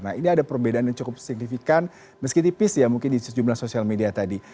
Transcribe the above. nah ini ada perbedaan yang cukup signifikan meski tipis ya mungkin di sejumlah sosial media tadi